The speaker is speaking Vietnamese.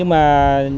cũng là là an ninh